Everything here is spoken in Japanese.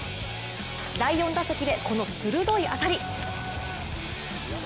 第４打席でこの鋭い当たり。